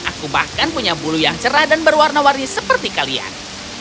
aku bahkan punya bulu yang cerah dan berwarna warni seperti kalian